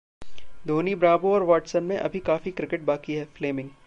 Dhoni, Bravo और Watson में अभी काफी क्रिकेट बाकी है: फ्लेमिंग